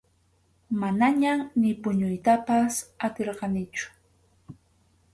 Manañam ni puñuytapas atirqanichu.